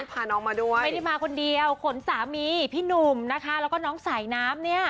พาน้องมาด้วยไม่ได้มาคนเดียวขนสามีพี่หนุ่มนะคะแล้วก็น้องสายน้ำเนี่ย